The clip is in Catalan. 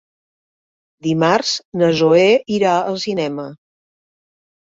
Dimarts na Zoè irà al cinema.